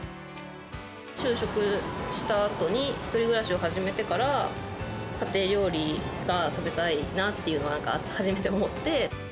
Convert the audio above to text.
就職したあとに、１人暮らしを始めてから、家庭料理が食べたいなっていうの、なんか、初めて思って。